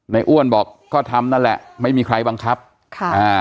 อ้วนบอกก็ทำนั่นแหละไม่มีใครบังคับค่ะอ่า